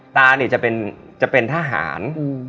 ตาเนี่ยจะเป็นทหาร